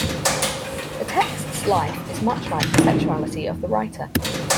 The text's life is much like the sexuality of the writer.